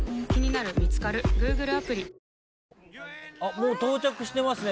もう到着してますね。